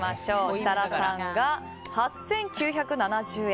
設楽さんが８９７０円。